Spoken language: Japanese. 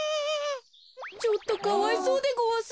ちょっとかわいそうでごわすね。